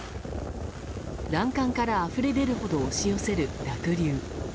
欄干からあふれ出るほど押し寄せる濁流。